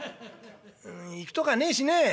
「う行くとかねえしね。